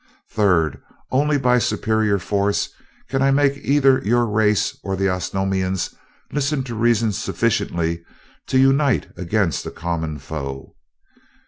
Third, only by superior force can I make either your race or the Osnomians listen to reason sufficiently to unite against a common foe.